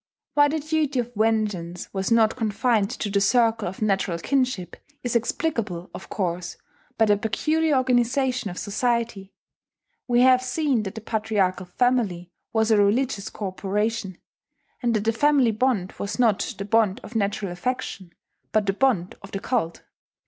Why the duty of vengeance was not confined to the circle of natural kinship is explicable, of course, by the peculiar organization of society. We have seen that the patriarchal family was a religious corporation; and that the family bond was not the bond of natural affection, but the bond of the cult.